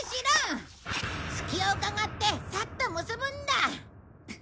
隙をうかがってサッと結ぶんだ！